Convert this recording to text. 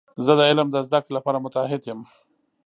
زه د علم د زده کړې لپاره متعهد یم.